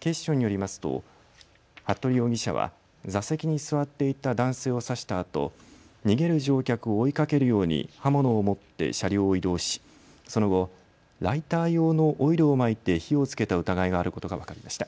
警視庁によりますと服部容疑者は座席に座っていた男性を刺したあと逃げる乗客を追いかけるように刃物を持って車両を移動し、その後、ライター用のオイルをまいて火をつけた疑いがあることが分かりました。